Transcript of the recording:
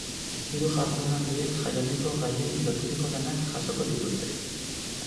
Hiru jardunaldiek jaialdiko gaiei loturiko lanak jasoko dituzte.